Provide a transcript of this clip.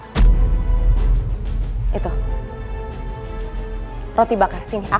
oleh karena itu akulah coisas katyon juga kepilah